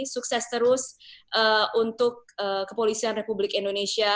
sukses terus untuk kepolisian republik indonesia